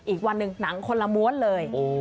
อีกวันหนึ่งหนังคนละม้วนเลย